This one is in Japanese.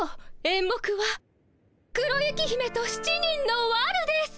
演目は「黒雪姫と７人のわる」です。